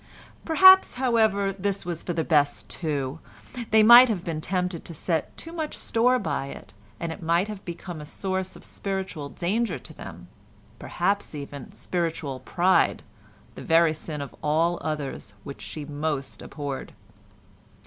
Perhaps, however, this was for the best too—they might have been tempted to set too much store by it, and it might have become a source of spiritual danger to them—perhaps even of spiritual pride, the very sin of all others which she most abhorred.